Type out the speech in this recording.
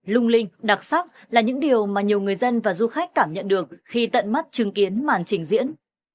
lung linh đặc sắc là những điều mà nhiều người dân và du khách cảm nhận được khi tận mắt chứng kiến màn trình diễn